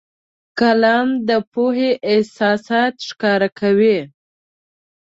قلم د پوهې اساسات ښکاره کوي